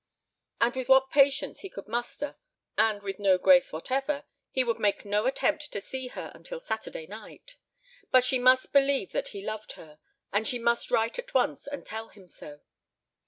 And with what patience he could muster and with no grace whatever he would make no attempt to see her until Saturday night. But she must believe that he loved her and she must write at once and tell him so.